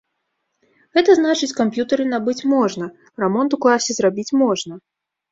Гэта значыць камп'ютары набыць можна, рамонт у класе зрабіць можна.